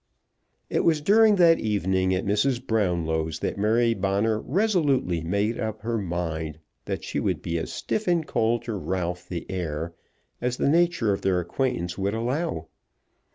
It was during that evening at Mrs. Brownlow's that Mary Bonner resolutely made up her mind that she would be as stiff and cold to Ralph the heir as the nature of their acquaintance would allow.